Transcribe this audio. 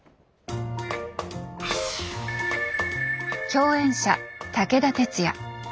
共演者武田鉄矢。